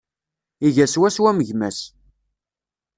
Iga swaswa am gma-s.